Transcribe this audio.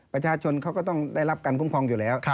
ประชาชนเขาก็ต้องได้รับการคุ้มครองอยู่แล้ว